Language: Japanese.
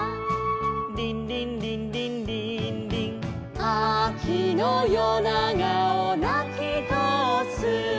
「リンリンリンリンリインリン」「秋のよながをなきとおす」